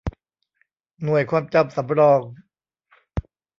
หน่วยความจำสำรอง